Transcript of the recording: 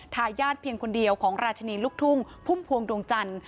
ทายาทเพียงคนเดียวของราชินีลูกทุ่งพุ่มพวงดวงจันทร์